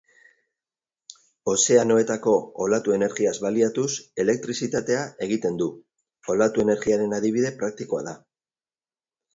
Ozeanoetako olatu energiaz baliatuz, elektrizitatea egiten du. Olatu-energiaren adibide praktikoa da.